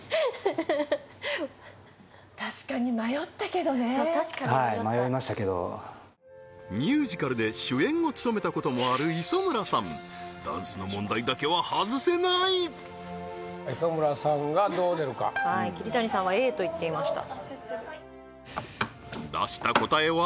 確かに確かに迷ったミュージカルで主演を務めたこともある磯村さんダンスの問題だけは外せない磯村さんがどう出るかはい桐谷さんはＡと言っていました出した答えは？